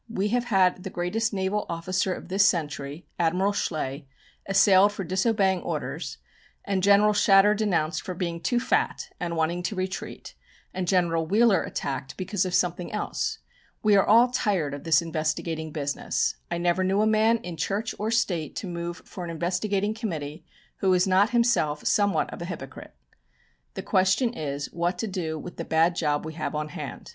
"We have had the greatest naval officer of this century, Admiral Schley, assailed for disobeying orders, and General Shatter denounced for being too fat and wanting to retreat, and General Wheeler attacked because of something else. We are all tired of this investigating business. I never knew a man in Church or State to move for an investigating committee who was not himself somewhat of a hypocrite. The question is what to do with the bad job we have on hand.